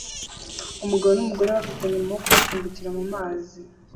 Umugabo n'umugore bafatanye amaboko basimbukira mu mazi